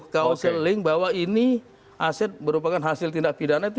kaosel link bahwa ini aset berupakan hasil tindak pidana itu